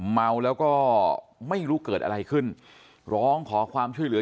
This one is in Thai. เมาแล้วก็ไม่รู้เกิดอะไรขึ้นร้องขอความช่วยเหลือ